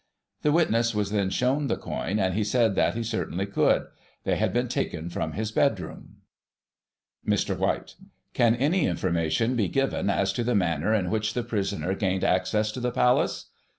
The witness was then shown the coin, and he said that he certainly could. They had been taken from his bed room. Mr. White: Can any information be given as to the manner in which the prisoner gained access to the Palace?